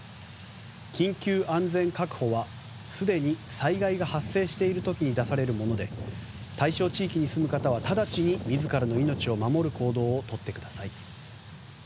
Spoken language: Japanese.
緊急安全確保はすでに災害が発生している時に出されるもので対象地域に住む方は直ちに自らの命を守る行動をとってください。